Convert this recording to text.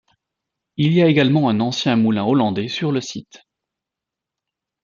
Il y a également un ancien moulin hollandais sur le site.